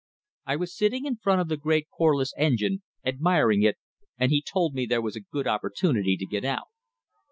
I was sitting in front of the great Corliss engine, admiring it, and he told me there was a good opportunity to get out.